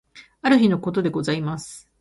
ある日のことでございます。